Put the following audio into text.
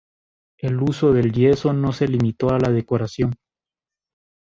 El uso del yeso no se limitó a la decoración.